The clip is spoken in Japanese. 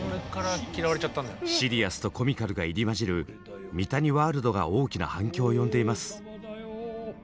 シリアスとコミカルが入り交じる三谷ワールドが大きな反響を呼んでいます。